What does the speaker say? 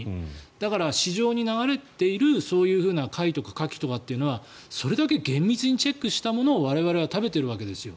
だから、市場に流れているそういう貝とかカキというのはそれだけ厳密にチェックしたものを我々は食べているわけですよ。